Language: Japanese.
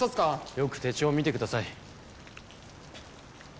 よく手帳を見てください。